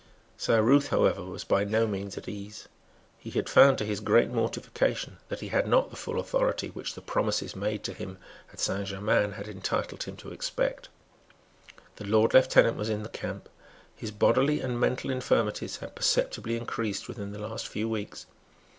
Saint Ruth, however, was by no means at ease. He had found, to his great mortification, that he had not the full authority which the promises made to him at Saint Germains had entitled him to expect. The Lord Lieutenant was in the camp. His bodily and mental infirmities had perceptibly increased within the last few weeks.